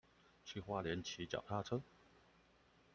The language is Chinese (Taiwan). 去花蓮騎腳踏車